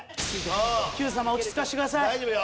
『Ｑさま！！』落ち着かせてください。